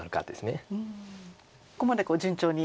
ここまで順調に。